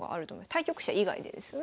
対局者以外でですね。